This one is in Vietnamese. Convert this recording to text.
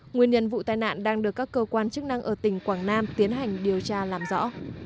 nguyên nhân vụ tai nạn đang được các cơ quan chức năng ở tỉnh quảng nam tiến hành điều tra làm rõ